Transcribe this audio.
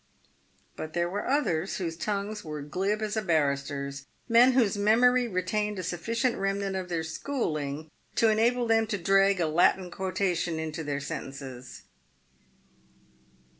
But there were others whose tongues were glib as a barrister's — men whose memory re tained a sufficient remnant of their schooling to enable them to drag a Latin quotation into their sentences.